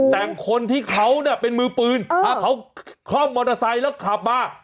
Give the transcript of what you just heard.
แต่คนที่เขาเนี่ยเป็นมือปืนถ้าเขาคล่อมมอเตอร์ไซค์แล้วขับมา